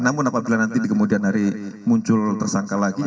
namun apabila nanti di kemudian hari muncul tersangka lagi